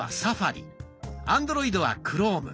アンドロイドは「クローム」。